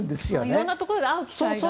いろんなところで会う機会が。